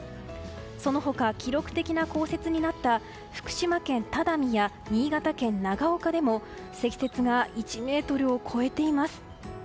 その他、記録的な降雪になった福島県只見や新潟県長岡でも積雪が１ｍを超えています。